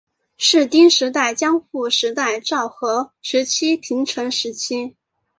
室町时代江户时代昭和时期平成时期